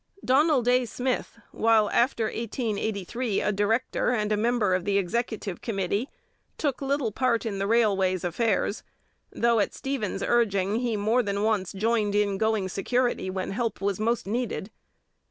Donald A. Smith, while after 1883 a director and a member of the executive committee, took little part in the railway's affairs, though at Stephen's urging he more than once joined in going security when help was most needed.